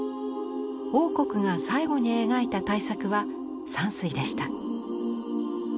櫻谷が最後に描いた大作は山水でした。